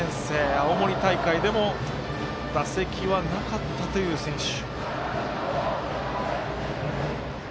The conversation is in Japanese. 青森大会でも打席はなかったという選手。